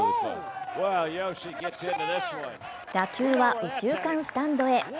打球は右中間スタンドへ。